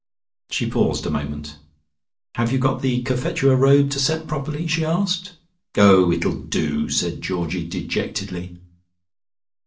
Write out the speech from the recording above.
She paused a moment. "Have you got the Cophetua robe to set properly?" she asked. "Oh, it'll do," said Georgie dejectedly.